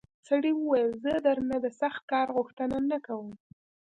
سړي وویل زه درنه د سخت کار غوښتنه نه کوم.